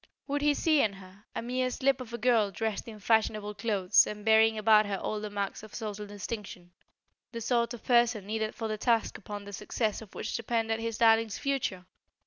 Would he see in her, a mere slip of a girl dressed in fashionable clothes and bearing about her all the marks of social distinction, the sort of person needed for the task upon the success of which depended his darlings' future?